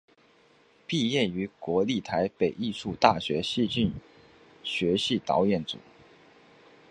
毕业于国立台北艺术大学戏剧学系导演组。